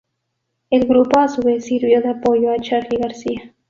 El grupo a su vez sirvió de apoyo a Charly García.